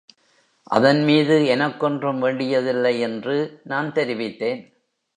அதன்மீது எனக்கொன்றும் வேண்டியதில்லை என்று நான் தெரிவித்தேன்.